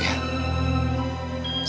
saya pamit dulu ya